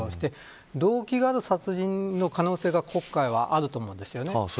動機がある殺人の可能性が今回はあると思うんですよね。